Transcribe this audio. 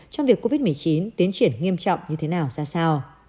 trong việc covid một mươi chín tiến triển nghiêm trọng như thế nào ra sao